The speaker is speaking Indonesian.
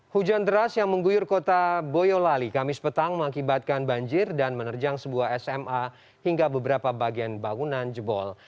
hujan deras yang mengguyur kota boyolali kamis petang mengakibatkan banjir dan menerjang sebuah sma hingga beberapa bagian bangunan jebol